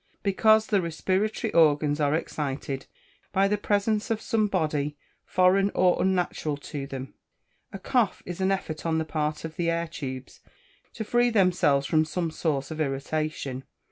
_ Because the respiratory organs are excited by the presence of some body foreign or unnatural to them. A cough is an effort on the part of the air tubes to free themselves from some source of irritation.